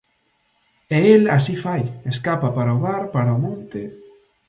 E el así fai: escapa para o bar, para o monte.